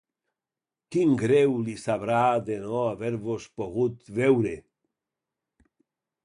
Quin greu li sabrà de no haver-vos pogut veure!